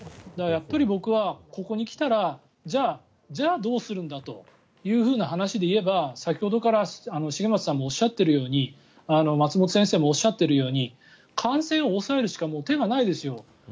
やっぱり僕はここに来たらじゃあ、どうするんだという話でいえば先ほどから茂松さんもおっしゃっているように松本先生もおっしゃっているように感染を抑えるしかもう手がないですよ。